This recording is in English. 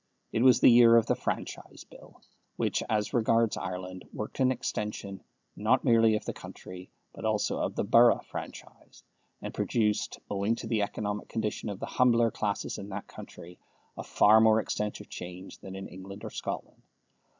It was the year of the Franchise Bill, which, as regards Ireland, worked an extension, not merely of the county but also of the borough franchise, and produced, owing to the economic condition of the humbler classes in that country, a far more extensive change than in England or Scotland.